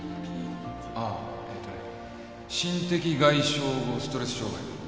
あぁえーとね「心的外傷後ストレス障害」